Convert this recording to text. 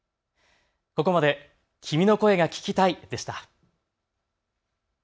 ここまで君の声が聴きたいでした。